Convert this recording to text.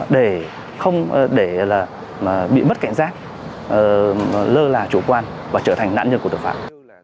để không bị bất cảnh giác lơ là chủ quan và trở thành nạn nhân của tội phạm